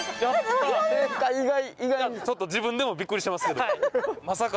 ちょっと自分でもびっくりしてますけどまさかの。